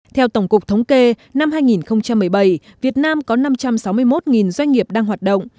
theo tổng cục thống kê năm hai nghìn một mươi bảy việt nam có năm trăm sáu mươi một doanh nghiệp đang hoạt động